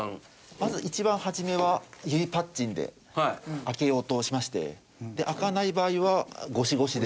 まず一番初めは指パッチンで開けようとしましてで開かない場合はゴシゴシで。